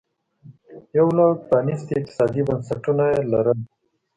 یو لړ پرانیستي اقتصادي بنسټونه یې لرل